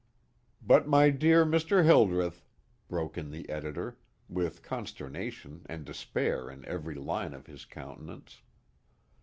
"But, my dear Mr. Hildreth " broke in the editor, with consternation and despair in every line of his countenance.